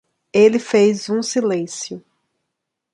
Ele fez um silêncio.